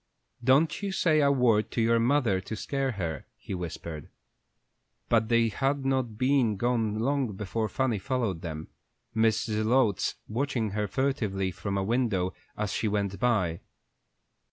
"Don't you say a word to your mother to scare her," he whispered. But they had not been gone long before Fanny followed them, Mrs. Zelotes watching her furtively from a window as she went by.